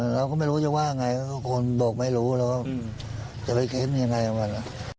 เราก็ไม่รู้จะว่าไงเพราะคนบอกไม่รู้แล้วจะไปเค้นยังไงกับมัน